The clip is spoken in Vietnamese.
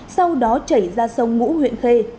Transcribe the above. sau đó chảy ra sông ngũ huyện khê